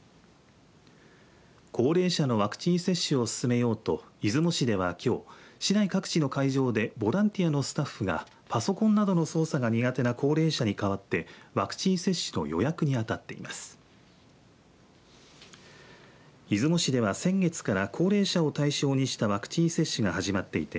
高齢者のワクチン接種を進めようと出雲市ではきょう、市内各地の会場でボランティアのスタッフがパソコンなどの操作が苦手な高齢者に代わってワクチン接種の予約にあたっています。